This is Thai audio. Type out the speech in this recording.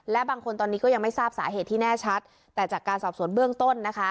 และบางคนตอนนี้ก็ยังไม่ทราบสาเหตุที่แน่ชัดแต่จากการสอบสวนเบื้องต้นนะคะ